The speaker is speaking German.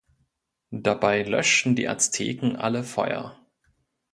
Dabei löschten die Azteken alle Feuer.